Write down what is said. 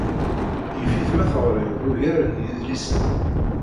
Yif-it ma teɣriḍ ugar n yedlisen.